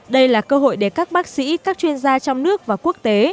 đây là cơ hội để các bác sĩ các chuyên gia trong nước và quốc tế